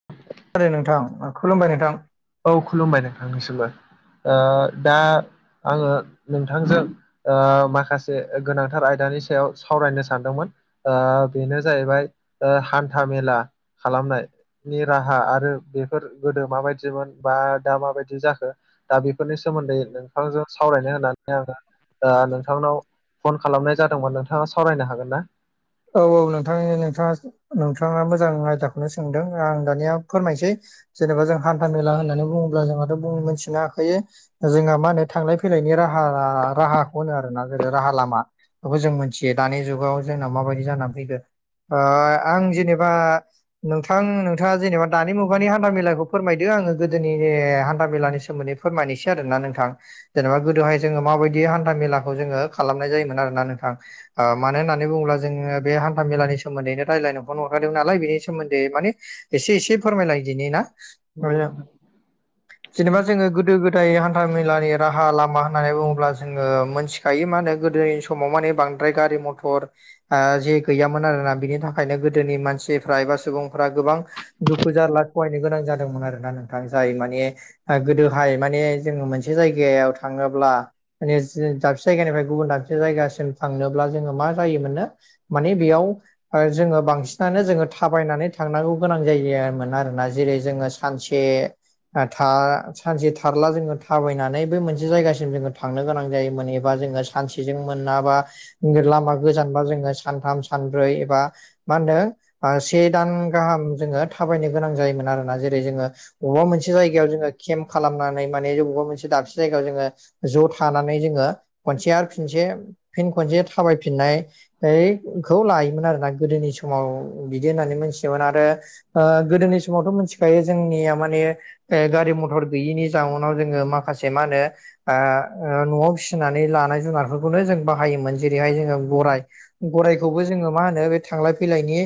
[inaudible] नोंथां खुलुमबाय नोंथां औ खुलुमबाय नोंथांनिसिमबो ओ दा आङो नोंथांजों ओ माखासे गोनांथार आयदानि सायाव सावरायनो सानदोंमोन बेनो जाहैबाय हान्था मेला खालामनाय नि राहा आरो बेफोर गोदो माबायदिमोन बा दा माबायदि जाखो दा बेफोरनि सोमोन्दै नोंथांजों सावरायनो होनानै आङो नोंथांनाव फन खालामनाय जादोंमोन नोंथाङा सावरायनो हागोन ना? औ औ नोंथांनि नोंथाङा नोंथाङा मोजां आयदाखौनो सोंदों आं दानिया फोरमायनोसै। जेनेबा जों हान्था मेला होननानै बुङोब्ला जोंहाथ' बुं मिथिनो हाखायो जोंहा मा होनो थांलाय फैलायनि राहा राहाखौ होनो आरोना जेरै राहा लामा बेखौ जों मोनथियो दानि जुगाव जोंना माबायदि जानानै फैदों ओ आं जेनेबा नोंथां नों नोंथाङा जेनेबा दानि मुगानि हान्थाेलाखौ फोरमायदों आङो गोदोनि हान्था मेलानि सोमोन्दै फोरमायनोसै आरोना नोंथां जेनेबा गोदोहाय जोङो माबायदि हान्था मेलाखौ जोङो खालामनाय जायोमोन आरोना नोंथां। ओ मानो होननानै बुङोब्ला बे हान्थ मेलानि सोमोन्दैनो रायज्लायनोखौनो हरखादों नालाय बे सोमोन्दै माने एसे एसे फोरमायलाय दिनि ना जेनेबा जोङो गोदो गोदाय हान्था मेलानि राहा लामा होननानै बुङो अब्ला जोङो मोनथिखायो मा होनो गोदोनि समाव माने बांद्राय गारि मथर जे गैयामोन आरोना बिनि थाखायनो गोदोनि मानसिफ्रा एबा सुबुंफ्रा गोबां दुखु जारला सहायनो गोनां जादोंमोन आरोना नोंथां जाय माने गोदोहाय माने जोङो मोनसे जायगायाव थाङोब्ला माने दाबसे जायगानिफ्राय गुबुन दाबसे जायगासिम थांनोब्ला जोङो मा जायोमोननो माने बेयाव जोङो बांसिनानो जोङो। थाबायनानै थांनांगौ गोनां जायामोन आरोना जेरै जोङो सानसे सानसे थारला जोङो थाबायनानै बे मोनसे जायगासिम जोङो थांनो गोनां जायोमोन एबा जोङो सानसेजों मोन बा लामा गोजानबा जों सानथाम सानब्रै एबा मा होनदों बा से दान गाहाम जोङो थाबायनो गोनां जायोमोन आरोना जेरै जोङो अबेबा मोनसे दाबसे जायगायाव जोङो केम्प खालामनानै माने बेबाबा मोनसे दाबसे जायगायाव जोङो ज' थानानै जोङो खनसे आरो खिनसे फिन खनसे थाबायफिननाय हैखौ लायोमोन आरोना गोदोनि समाव बिदि होननानै मिथियोमोन आरो गोदोनि समावथ' मिथिखायो जोंनिया माने गारि मथर गैयिनि जाउनाव जोङो माखासे मा होनो ओ न'आव फिसिनानै लानाय जुना खौनो जों बाहायोमोन जेरैहाय जोङो गराइ- गराइखौबो जोङो मा होनो थांलाय फैलायनि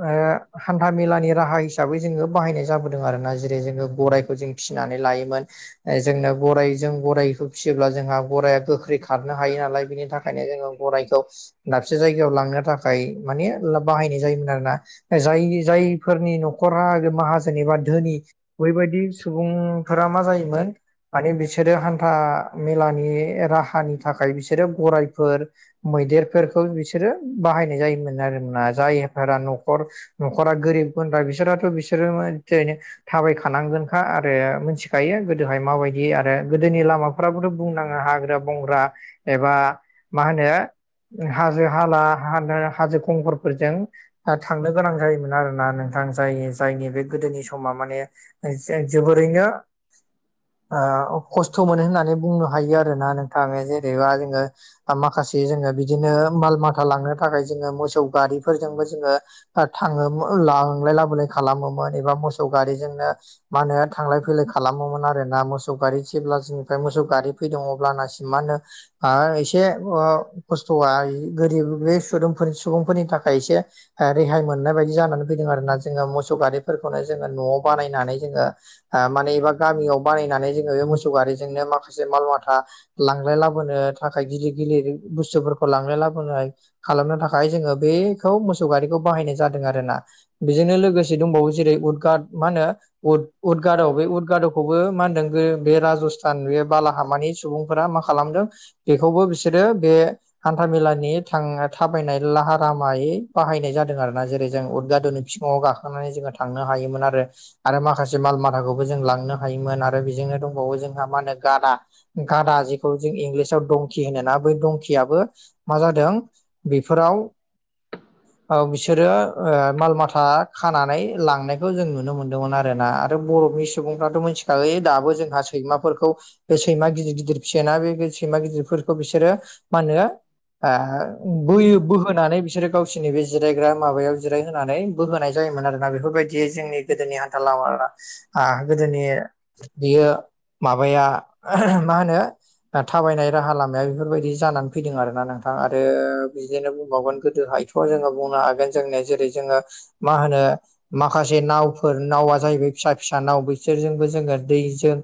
ओ-ओ हान्था मेलानि राहा हिसाबै जोङो बाहायनाय जाबोदों आरो ना जेरै जोङो गाराइ जों फिसिनानै लायोमोन। जोंनो गाइजों गाइखौ फिसियोब्ला जोंहा गायाइआ गोख्रै खारनो हायो नालाय बेनि थाखाय खायनो जोङो गराइखौ दाबसे जायगायाव लांनो थाखाय माने बाहायनाय जायोमोन आरोना जाय जायफोरनि न'खरा माहाजन जेनेबा धोनि बैबायदि सुबुंफोरा मा जायोमोन मानि बिसोरो हान्था मेलानि राहानि थाखाय बिसोरो गाइफोर मैदेरफोर बिसोरो बाहायनाय जायोमोन आरोना जायफोरा न'खर न'खरा गोरिब गुन्द्रा बिसोराथ' बिसोरो जेरैनो थाबायखानांगोनखा आरो मिथिखायो गोदोहाय माबायदि आरो गोदोनि लामाखौ फोराबोथ' बुंनाङो हाग्रा बंग्रा एबा मा होनो हाजो हाला हानो हाजो खंखरफोरजों थांनो गोनां जायोमोन आरो ना नोंथां जाय जायनि बे गोदोनि समा माने जोबोरैनो ओ खस्थ' मोनो होननानै बुंनो हायो आरो ना नोंथाङो जे जेनेबा जोङो माखासे जोङो बि बिदिनो माल माथा लांनो थाखाय जोङो मोसौ गारिफोरजोंबो जोङो थाङो लांलाय लाबोलाय खालामोमोन एबा मोसौ गारिजोंनो मा होनो थांलाय फैलाय खालामोमोन आर ना मोसौ गारि जेब्ला जोंनिफ्राय मोसौ गारि फैदों अब्लानासि मा होनो आ एसे अ खस्थ'आ गोरिब बे सुबुंदफोर सुबुंफोरनि थाखाय एसे रेहाय मोननाय बायदि जानानै फैदों आर ना जोङो मोसौ गारिफोरखौनो जोङो न'आव बानायनानै जोङो माने एबा गामियाव बानायनानै जोङो बे मोसौ गारिजोंनो माखासे माल माथा लांलाय लाबोनो थाखाय गिदिर गिदिर बुस्थुफोरखौ लांनाय लाबोनाय खालामनो थाखाय जोङो बेखौ मोसौ गारिखौ बाहायनाय जादों आरो ना बेजोंनो लोगोसे दंबावो जेरै उदगाद मा होनो उद उदगाद बे उदगाद'खौबो मा होनदों बे राजस्थान बे बालाहामानि सुबुंफोरा मा खालामदों बेखौबो बिसोरो बे हान्थामेलानि थां थाबायनाय लाहार लामायै बाहायनाय जादों आर ना जेरै जों उदगादननि बिङाव गाख थांनानै जोङो थांनो हायोमोन आरो आरो माखासे माल माथाखौबो जों लांनो हायोमोन आरो बेजोंनो दंबावो जोंहा मा होनो गाघा गादा जेखौ जों इंलिसाव दंखि होन ना बै दंकि दाबो मा जादों बेफोराव औ बिसोरो माल माथा खानानै लांनायखौ जों नुनो मोन्दोंमोन आर ना आरो बर'नि सुबुंफ्राथ' मोनथि फिसै दाबो जोंहा सैमाफोरखौ बे सैमा गिदिर गिदिर फिसना बे सैमा गिदिरफोरखौ बिसोरो मा होनो बोयो बोहोनानै बिसोरो गावसिरनि बे जिरायग्रा माबायाव जिर होनानै बो होनोनाय जायोमोन आरोना बेफोरबायदियै जोंनि गोदोनि हान्था लामा आ गोदोनि बेयो माबाया मा होनो थाबायनाय राहा लामाया बेफोरबायदि जानानै फैदों आर ना नोंथां आरो बिदिनो बुंबावगोन गोदोहायथ' जोङो बुंनो हागोन जोंनिया जेरै जोङो मा होनो माखासे नावफोर नावा जाहैबाय फिसा फिसा नाव बैसोरजोंबो जोङो दैजों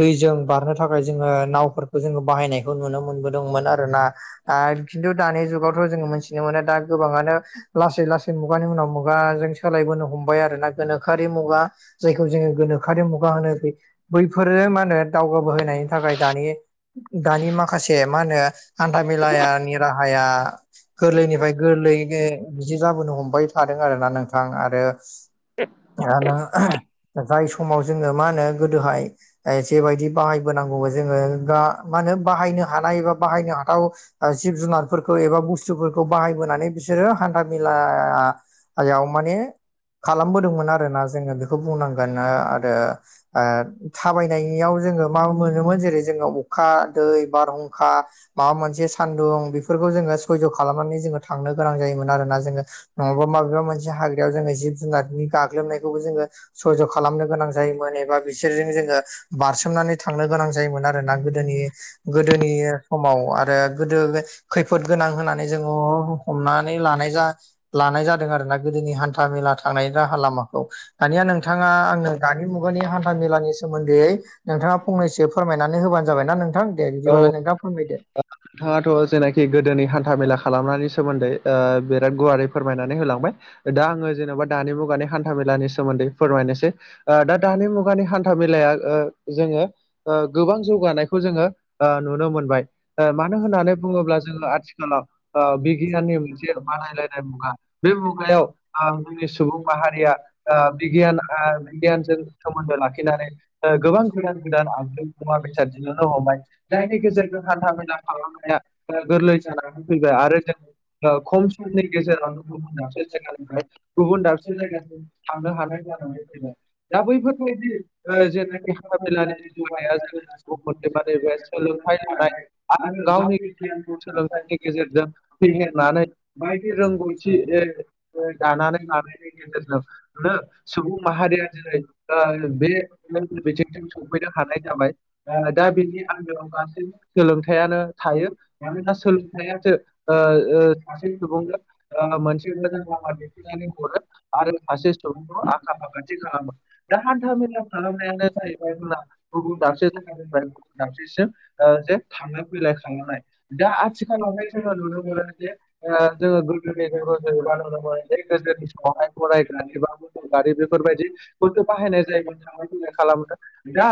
दैजों बारनो थाखाय जोङो नावफोरखौ जोङो बाहायनायखौ नुनो मोनबोदोंमोन आरो ना खिन्थु दानि जुगावथ' जों मोनथिनो मोनो दा गोबाङानो लासै लासै मुगानि उनाव मुगाजों सोलायबोनो हमबाय आरोना गोनोखोआरि मुगा जायखौ जोङो गोनोखोरि मुगा होनो बैफोरो मा होनो दावगाबोहोनायनि थाखाय दानि दानि माखासे मा होनो हान्था मेेलनि राहाया गोरलैनिफ्राय गोरलैयनो बिदि जाबोनो हमबाय थादों आरो ना नोंथां आरो नों जाय समाव जोङो मा होनो गोदोहाय जेबायदि बाहायबोनांगौ जोङो मा होनो बाहायनो हानायबा बाहायनो हाथाव जिब जुनारफोरखौ एबा बुस्थुफोरखौ बाहायबोनानै बिसोरो हान्था मेला आयाव माने खालामबोदोंमोन आरोना जोङो बेखौ बुंनांगोना आरो। ओ थाबायनायाव जोङो मा मोनोमोन जेरै जोङो अखा, दै, बारहुंखा माबा मोनसे सान्दुं बेफोरखौ जोङो सयज' खालामनानै जोङो थांनो गोनां जायोमोन आरोना जोङो। नङाबा माबेबा मोनसे हाग्रायाव जोङो जिब जुनारनि गाग्लोबनायखौबो जोङो सरज' खालामनो गोनां जायोमोन। बा बिसोरजों जोङो बारसोमनानै थांनो गोनां जायोमोन आरोना गोदोनि गोदोनि माव आरो गोदो खैफोद गोनां होनानै जोङो ह- हमनानै लानाय जा लानाय जादों आरोना गोदोनि हान्था मेला थांनाय राहा लामाखौ। दानिया नोंथाङा आङो दानि मुगानि नि हान्था मेलानि सोमोन्दै नोंथाङा फंनैसो फोरमायनानै होबानो जाबायना नोंथां दे औ बिदिबालाय नोंथां। फोयदो। नोंथाङाथ' जेनाखि गोदोनि हान्था मेला खालामनायनि सोमोन्दै ओ बिराद गुवारै फोरमायनानै होलांबाय। दा आङो जेन'बा दानि मुगानि हान्था मेलानि सोमोन्दै फोरमायनोसै। ओ दा दानि मुगानि हान्था मेलाया ओ जोङो ओ गोबां जौगानायखौ जोङो ओ नुनो मोनबाय। ओ मानो होननानै बुङोब्ला जोङो आथिखालाव ओ बिगियाननि मोनसे बानायलायनाय मुगा बे मुगायाव ओ जोंनि सुबुं माहारिया जाबायदि बिगियान [unintelligible] जों [unintelligible] लादों गोबां गोदान गोदान आगजु मुवा बेसाद गैया जालांबाय जायनि [unintelligible] या [unintelligible] आरो ओ खम समनि गेजेरावनो गुबुन दाबसे जायगानिफ्राय गुबुन दाबसे जायगायाव थांनो हानाय जानानै फैबाय। दा बैफोरबायदि ओ जेनाखि हान्था मेलानि जौगानाया [unintelligible] सोलोंथाइ लादाय आरो गावनि गियान खौ सोलोंथाइनि गेजेरजों फेहेरनानै बायदि रोंगौथि दानानै लानायनि गेजेरजों बेदिनो सुबुं माहारिया ओ बे [unintelligible] बेसिम बिथिंजों सफैनो सौफैनाय हानाय जाबाय। दा बेनि आन्दोयाव गासै सोलोंथाइयानो थायो मानोना सोलोंथाया सासे सोलोंथाइसो ओ ओ ससे सुबुंनि सुबुं मोनसे दोरोमखौ दोनथदो आरो सासे सुबुंखौ आखा फाखाथि खालामो [unintelligible] दा हान्था मेला मेलायानो खालामनायानो जाहैबाय जोंना जोंहा गुबुन दाबस दाबसे [unintelligible] जायगानिफ्राय गुबुन दाबसेसिम ओ जे थांलाय फैलाय खालामनाय [unintelligible] [unintelligible] दा आथिखालाव आथिखालावहाय जोङो नुनो मोनो मोनदों जे ओ जोङो [unintelligible] जथ' गोदोनि बर' जों नुनो मोनो जे गोदोनि समावहाय गराइ गारि बा गारि बेफोरबायदिखौसो बाहायनाय बासायनाय जाय जायोमोन जों मालाय खालामनो दा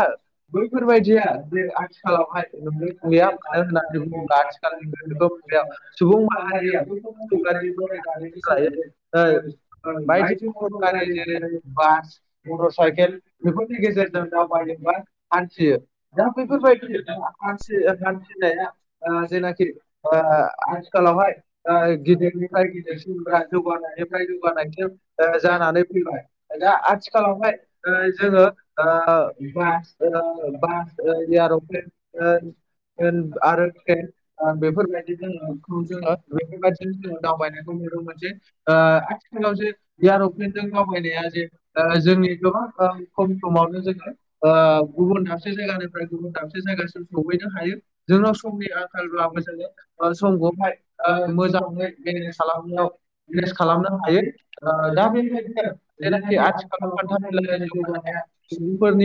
बैफोर जायखाया जे आथिखालावहाय गैया होननानै मानो बुङोब्ला होनबा [unintelligible] आथिखालनि गोनोखो मुगायाव सुबुं माहारि माहारिया मैदेर गारि लायो गराइ गारि सोलायो ओ बायदि मथर गारि जेरै बा मटर साइकेल बेफोरनि गेजेरजों दावबायोब्ला हानथियो दा बेफोर बायदि दा हान्थिनाय [unintelligible] जेनाखि ओ आथिखालाव हाय आथिखालावहाय ओ बाय गिदिर गिदिरनिफ्राय निफ्राय गिदिरसिन जोंहा गोबार बेनिफ्राय जौगानायनिफ्राय गोबार जौगानायसिम गाइखेर ओ जानानै फैबाय। दा आथिखालाव आथिखालावहाय हाय जोङो ओ बास ओ [unintelligible] ओ [unintelligible] बास ओ एयार'प्लेन होन होन आरो ट्रेन आ बेफोरबायदिनो [unintelligible] बेफोरबायदिजों जों दावबायनायखौ जे आथिखालाव जे गैया लंपेन जों दावबायनायाव जे जोंनि गोबां समसिमावनो जोङो ओ गुबुन दाबसे जायगानिफ्राय गुबुन दाबसे जायगासिम सहैनो हायो जोंनाव एबा समनि आखाल आंखालब्लाबो ब्लाबो जों जोङो समखौहाय ओ मोजाङै मोनस खालामनायाव मेनेस खालामनो हायो दा बे बादिनो जेनाखि आथिखालाव संसारनि जौगानाया सुबुं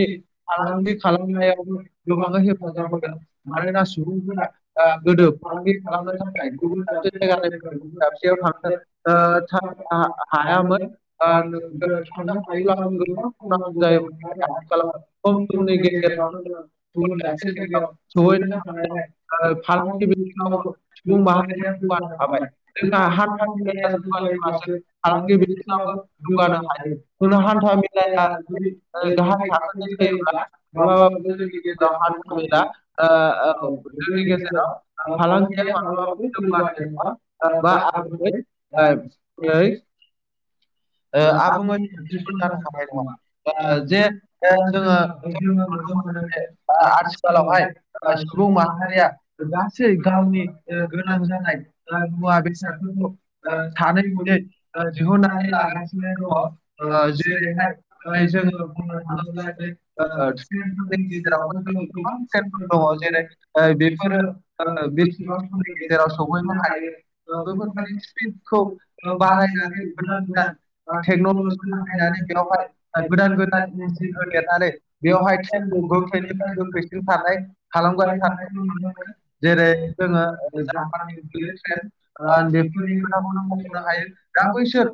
[unintelligible] आंदि खालामनायावबो गोबांनो हेफाजाब होदों। मानोना सुबुंफोरा ओ आ गोदो गिदिर फालांगि खालामनो खालामदोंमोननो थाखाय गुबुन दाबसे जायगानिफ्राय गुबुन दाबसेयाव थांनो ओ था हायामोन [unintelligible] [unintelligible] ओ [unintelligible] रांजों [unintelligible] थांनो हायोब्लाबो गोबां सम नांगौ जायो [unintelligible] ओ खम समनि गेजेरावनो जों गुबुन दाबसे जायगायाव सौहैनो सहैनो हादों हानायखाय ओ फालांगि बिथिङावबो सुबुं माहारिया जौगानो हाबाय। जोंना जोंहा हान्था सान्था मेलाया जौगायो जौगायोब्लासो बाबो फालांगि बिथिङाबो बिथिङावबो जौगानो जौगानो‌ हायो। जों जोंना हा हान्था थाखा मेलाया फैसाया जुदि ओ गाहाय ओजोंहाय थाखोनि थाफैयो। जायोब्ला माब्लाबा बावनो [unintelligible] जोंनि गेजेराव हान्था मेला आ ओ जोंनि गेजेराव ओ फालांगिया मालाबाबो जौगानाय नङा। दा बा आगुदै ओ [unintelligible] ओ ओ आबुं साकसेसफुल जानो हानाय नङा। दा जे ओ जोंहा ओ जोङो नुनो मोनो जे आ-आथिखालाव आथिखालावहाय हाय ओ सुबुं माहारिया ओ गासै गावनि ओ गोनां जानाय ओ मुवा बेसादफोरखौ ओ सानै हयै ओ दिहुननानै लानाय [unintelligible] दङ। ओ लाग्रो जेरैहाय ओ जोङो बुंनो थाङोब्ला [unintelligible] ओ सेनफोरनि गेजेराव गेजेरावनो जोंनाव गोबां सेनफोर दङ दङ। जेरै ओ बेफोरो बेफोरनो ओ बेसेबां समनि गेजेराव सहैनो हायो। ओ बेफोरबायदिखौ बैखौहाय [unintelligible] औ बा बारायनानै हायनानै गोदान गोदान ओ टेकनलजि बाहायनानै बेवहाय ओ गोदान गोदान इन्जिन फोलेर होदेरनानै नानै [unintelligible] बेवहाय ट्रेनखौ गोख्रैनिफ्राय गोख्रैसिन खारनाय लानानै आलु खालामगासिनो गायफानाय थादों। खौ नुनो मोनो। जेरै फोरला [unintelligible] ट्रेन ओ आं बेफोरनि खोथाखौनो बेफोरनिफ्राय मख'नो [unintelligible] हायो। दा दाबोसो बैसोर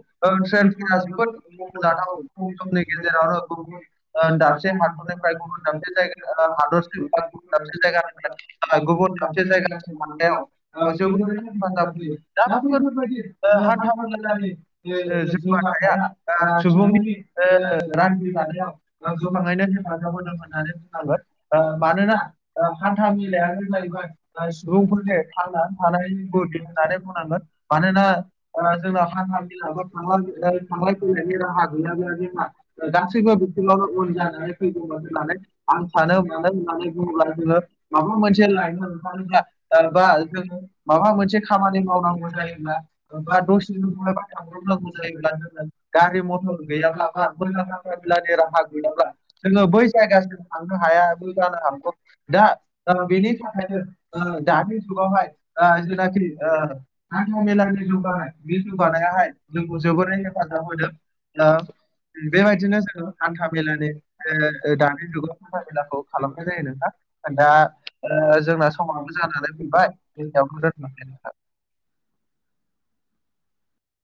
ट्रेनफोरा [unintelligible] जोबोद मख'जाथाव खम समनि गेजेरावनो गुबुन ओ दाबसे [unintelligible] हादरनिफ्राय गुबुन दाबसे जायगा हादरसिम बा गुबुन दाबसे आ [unintelligible] आ जायगानिफ्राय गुबुन दाबसे दाबदसे जायगासिम थांनायाव ओ जोबोद जोबोरैनो हेफाजाब होयो। दा बैफोर बायदि ओ हान्था हान्थामेल लानि ओ जौगानाया आ सुबुंनि ओ रायजो रांनि जानो लानायाव ओ ज'मा [unintelligible] हेफाजाब होदों होननानै बुंनांगोन। ओ मानोना ओ हान्था मेलायानो जाहैबाय जाय सुबुंफोरनो सुबुंफोरनि थांना थानि थानायनि [unintelligible] गुदि होननानै बुंनांगोन मानोना ओ आ जोंना जोंहा हानथाल [unintelligible] थांलाय फैलायनि राहा राहा गैयामोन जोंहा। ओ दासो गासैबो जों [unintelligible] आं बिथिङावनो उन जानानै फैदोंमोन होननानै आं सानो मानो होननानै बुङोब्ला जोङो [unintelligible] माबा मोनसे लायनो ओंखारोब्ला ओ बा जोङो माबा मोनसे खामानि मावनांगौ जायोब्ला ओ बा गाज्रि दसे [unintelligible] [unintelligible] गारि मथर गैया लाबा [unintelligible] हान्था मेला गेरा हाजोआव‌ दा जोङो बै जायगासिम थांनो हायाबो जानो हागौ दा ओ बेनि थाखायनो ओ दानि जुगावहाय आ जेनाखि ओ हान्था मेलानि जौगानाय बे जौगानायाव हाय जोंखौ जोबोरैनो हेफाजाब होदों हेफाजाब बेबायदिनो जों [unintelligible] हान्था मेलानि मेलाजों ओ [unintelligible] दानि जुगाव मेलाखौ हान्था खालामनाय जायो मेलाजों [unintelligible] नोंथां फाय दा [unintelligible] जोंना जोंहा समाबो जाना जानानै फैबाय एसेयावनो दोनथ'नोसै दोन [unintelligible]